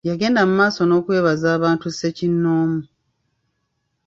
Yagenda mu maaso n'okwebaza abantu ssekinomu.